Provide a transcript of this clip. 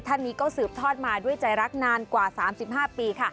ท่านนี้ก็สืบทอดมาด้วยใจรักนานกว่า๓๕ปีค่ะ